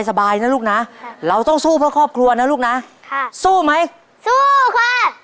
สบายนะลูกนะเราต้องสู้เพื่อครอบครัวนะลูกนะค่ะสู้ไหมสู้ค่ะ